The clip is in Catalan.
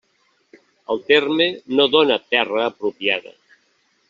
El terme no dóna terra apropiada.